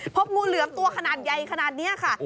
พบงูเหลือมตัวขนาดใหญ่ขนาดนี้ค่ะ